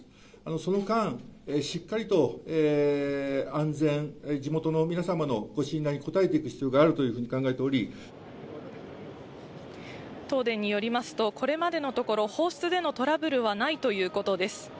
その間、しっかりと安全、地元の皆様のご信頼に応えていく必要があるというふうに考えてお東電によりますと、これまでのところ、放出でのトラブルはないということです。